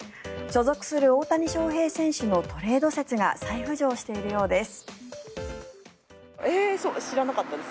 所属する大谷翔平選手のトレード説が再浮上しているようです。